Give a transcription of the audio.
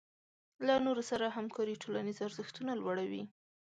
له نورو سره همکاري ټولنیز ارزښتونه لوړوي.